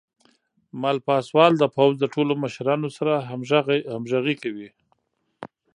مل پاسوال د پوځ د ټولو مشرانو سره همغږي کوي.